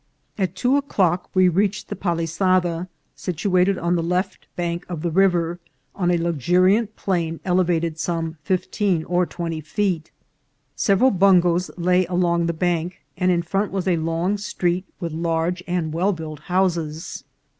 At two o'clock we reached the Palisada, situated on the left bank of the river, on a luxuriant plain elevated some fifteen or twenty feet. Several bungoes lay along the bank, and in front was a long street, with large and well built houses.